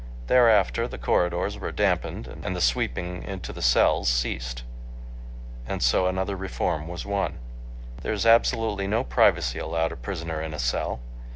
Thereafter the corridors were dampened and the sweeping into the cells ceased. And so another reform was won. There is absolutely no privacy allowed a prisoner in a cell.